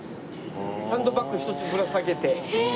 サンドバッグ１つぶら下げて。